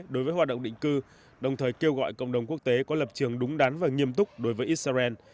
đối với hoạt động định cư đồng thời kêu gọi cộng đồng quốc tế có lập trường đúng đắn và nghiêm túc đối với israel